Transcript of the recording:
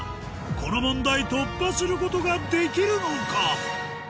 この問題突破することができるのか？